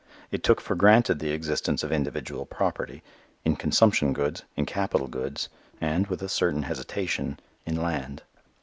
It took for granted the existence of individual property, in consumption goods, in capital goods, and, with a certain hesitation, in land.